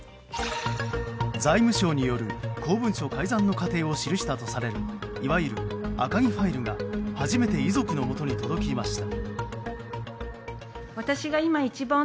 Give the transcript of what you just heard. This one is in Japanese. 財務省による公文書改ざんの過程を記したとされるいわゆる赤木ファイルが初めて遺族のもとに届きました。